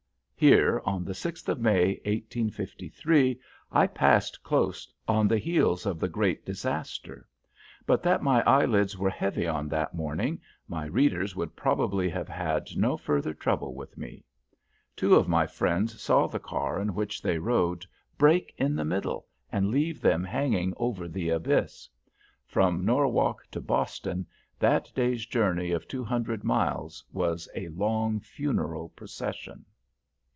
Here, on the sixth of May, 1853, I passed close on the heels of the great disaster. But that my lids were heavy on that morning, my readers would probably have had no further trouble with me. Two of my friends saw the car in which they rode break in the middle and leave them hanging over the abyss. From Norwalk to Boston, that day's journey of two hundred miles was a long funeral procession.